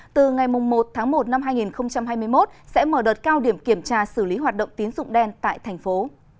từ ngày một tháng một năm hai nghìn hai mươi một sẽ mở đợt cao điểm kiểm tra xử lý hoạt động tín dụng đen tại thành phố